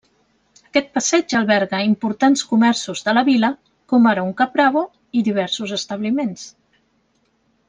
Aquest passeig alberga importants comerços de la vila, com ara un Caprabo i diversos establiments.